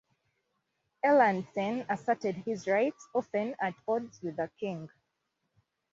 Erlandsen asserted his rights often at odds with the king.